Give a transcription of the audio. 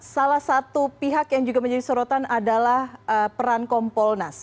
salah satu pihak yang juga menjadi sorotan adalah peran kompolnas